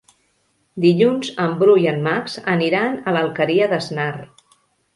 Dilluns en Bru i en Max aniran a l'Alqueria d'Asnar.